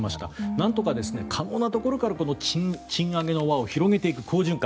なんとか可能なところから賃上げの輪を広げていく好循環